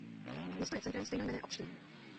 Město je centrem stejnojmenné opštiny.